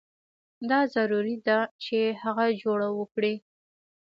دا ضروري ده چې هغه جوړه وکړي.